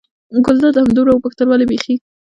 ګلداد همدومره وپوښتل: ولې بېخي.